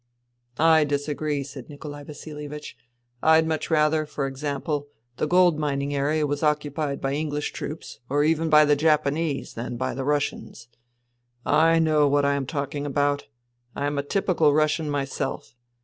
" I disagree," said Nikolai Vasilievich. " I'd much rather, for example, the gold mining area was occupied by EngHsh troops, or even by the Japanese, than by the Russians. I know what I am talking about. I am a typical Russian myself.